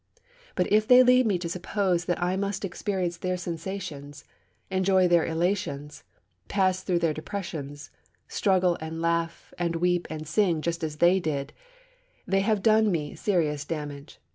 But if they lead me to suppose that I must experience their sensations, enjoy their elations, pass through their depressions, struggle and laugh and weep and sing just as they did, they have done me serious damage.